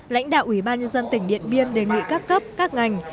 lãnh đạo ủy ban nhân dân tỉnh điện biên đề nghị các cấp các ngành